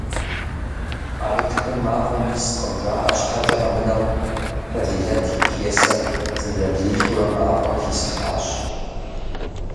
«ӏэрытхыр мафӏэм искъырым», жаӏэ щхьэкӏэ къэмынэу, Фэзилэт и пьесэр зызэблишурэ мафӏэм хисхьащ.